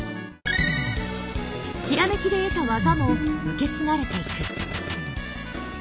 閃きで得た技も受け継がれていく。